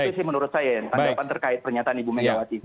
itu sih menurut saya tanggapan terkait pernyataan ibu megawati